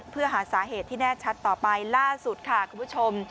เพื่อหาสาเหตุที่แน่ชัดต่อไปล่าสุดค่ะคุณผู้ชม